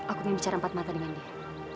aku ingin bicara empat mata dengan dia